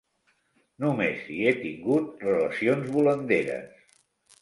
Només hi he tingut relacions volanderes.